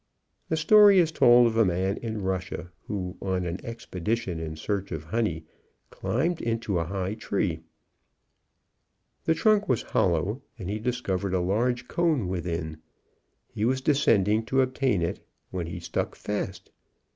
A story is told of a man in Russia, who on an expedition in search of honey, climbed into a high tree. The trunk was hollow, and he discovered a large cone within. He was descending to obtain it, when he stuck fast.